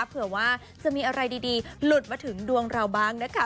เผื่อว่าจะมีอะไรดีหลุดมาถึงดวงเราบ้างนะคะ